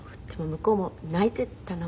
向こうも泣いていたの？